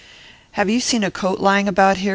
'Have you seen a coat lying about here?